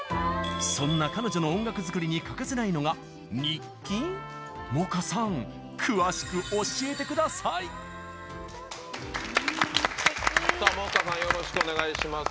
そんな彼女の音楽作りに欠かせないのが「日記」？もかさん詳しく教えてください！もかさんよろしくお願いします。